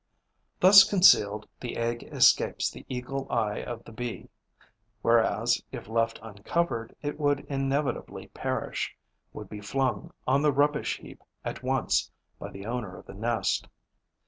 Thus concealed, the egg escapes the eagle eye of the Bee, whereas, if left uncovered, it would inevitably perish, would be flung on the rubbish heap at once by the owner of the nest.